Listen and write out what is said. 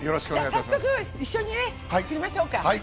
早速一緒に作りましょうか。